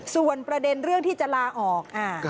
ส่วนประเด็นเรื่องที่จะลาออก